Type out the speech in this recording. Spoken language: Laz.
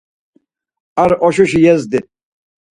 Ar oşuşi yezdi.